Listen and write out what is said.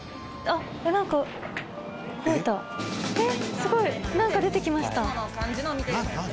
すごい何か出て来ました。